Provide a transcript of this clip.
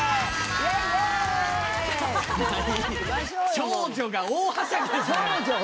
長女大はしゃぎ！